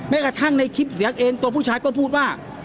กระทั่งในคลิปเสียงเองตัวผู้ชายก็พูดว่า